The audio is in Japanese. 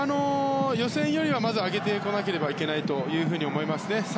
予選より、上げてこなきゃいけないと思いますね。